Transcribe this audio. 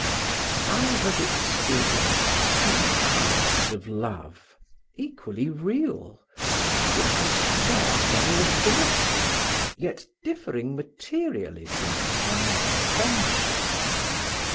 I have experienced two kinds of love, equally real, which have scarce any affinity, yet each differing materially from tender friendship.